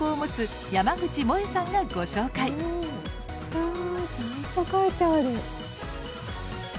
あちゃんと描いてある。